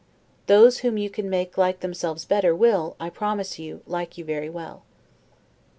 Those whom you can make like themselves better, will, I promise you, like you very well.